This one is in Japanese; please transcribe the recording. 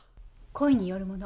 故意によるもの。